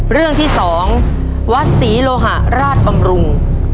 เรื่องที่๒วัดศรีโลหะราชบำรุง